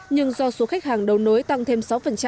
nhưng do số khách hàng đầu nối tăng thêm sáu